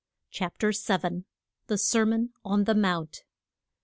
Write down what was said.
CHAPTER VII. THE SERMON ON THE MOUNT.